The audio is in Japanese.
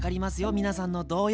皆さんの動揺。